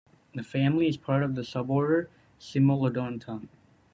This family is part of the suborder Cimolodonta.